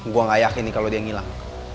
gue gak yakin nih kalau dia ngilang